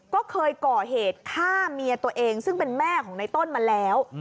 ก็เคยก่อเหตุฆ่าเมียตัวเองซึ่งเป็นแม่ของในต้นมาแล้ว